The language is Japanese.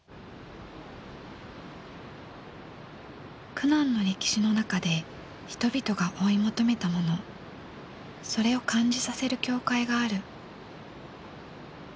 苦難の歴史の中で人々が追い求めたものそれを感じさせる教会がある。